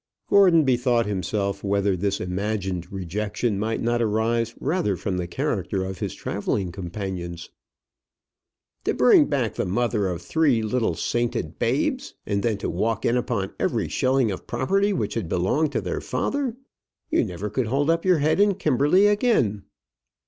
Gordon bethought himself whether this imagined rejection might not arise rather from the character of his travelling companions. "To bring back the mother of three little sainted babes, and then to walk in upon every shilling of property which had belonged to their father! You never could hold up your head in Kimberley again."